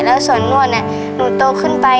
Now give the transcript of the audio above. แล้วส่วนนวดหนูโตขึ้นไป